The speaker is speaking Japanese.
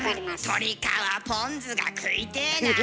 鶏皮ポン酢が食いてえなあ！